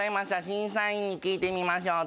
審査員に聞いてみましょう。